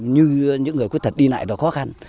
như những người khuyết tật đi lại là khó khăn